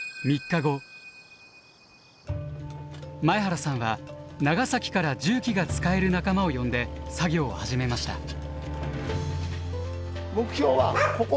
前原さんは長崎から重機が使える仲間を呼んで作業を始めました。